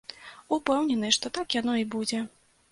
Упэўнены, што так яно і будзе.